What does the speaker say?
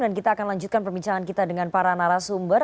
dan kita akan lanjutkan perbincangan kita dengan para narasumber